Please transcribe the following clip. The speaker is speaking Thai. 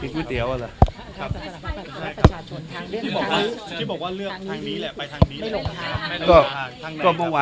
พี่พี่เปี๊ยวมันหรอ